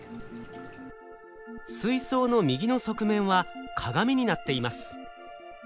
水槽の右の側面は鏡になっています。